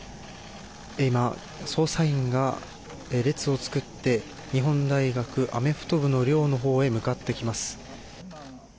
今、捜査員が列を作って日本大学アメフト部の寮のほうへ向かってきます。